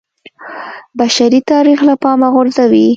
بشري تاریخ له پامه غورځوي